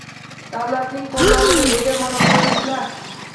Davlatning qo‘lloviga ega monopolistlar